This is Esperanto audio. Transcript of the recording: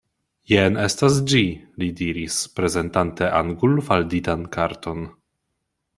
Jen estas ĝi, li diris, prezentante angulfalditan karton.